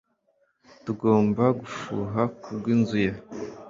Tugomba gufuha kubwinzu ye